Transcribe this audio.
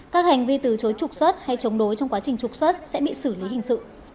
các hành vi từ chối trục xuất hay chống đối trong quá trình trục xuất sẽ bị xử lý hình sự